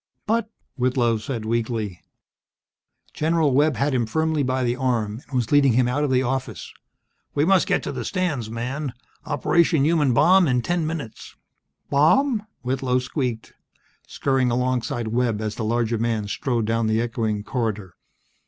"But " Whitlow said, weakly. General Webb had him firmly by the arm, and was leading him out of the office. "We must get to the stands, man. Operation Human Bomb in ten minutes." "Bomb?" Whitlow squeaked, scurrying alongside Webb as the larger man strode down the echoing corridor.